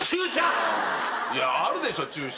あるでしょ注射。